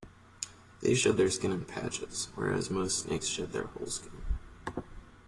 They shed their skin in patches, whereas most snakes shed their whole skin.